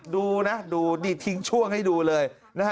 ดูนะดีดทิ้งช่วงให้ดูเลย